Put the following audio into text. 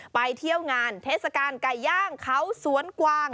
ไปเที่ยวงานเทศกาลไก่ย่างเขาสวนกวาง